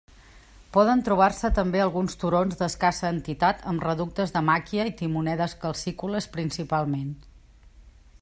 Poden trobar-se també alguns turons d'escassa entitat amb reductes de màquia i timonedes calcícoles principalment.